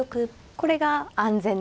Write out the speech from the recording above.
これが安全な場所。